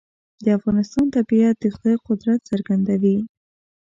د افغانستان طبیعت د خدای قدرت څرګندوي.